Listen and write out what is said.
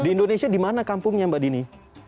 di indonesia dimana kampungnya mbak dini